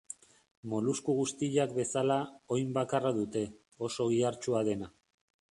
Molusku guztiak bezala, oin bakarra dute, oso gihartsua dena.